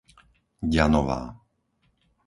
Ďanová